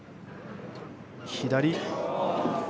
左。